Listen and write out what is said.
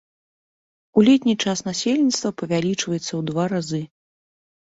У летні час насельніцтва павялічваецца ў два разы.